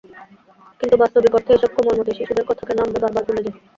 কিন্তু বাস্তবিক অর্থে এসব কোমলমতি শিশুদের কথা কেন আমরা বারবার ভুলে যাই।